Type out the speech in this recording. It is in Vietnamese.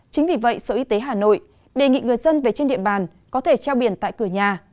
chính vì vậy sở y tế hà nội đề nghị người dân về trên địa bàn có thể treo biển tại cửa nhà